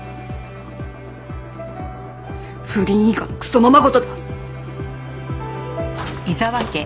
不倫以下のクソままごとだ！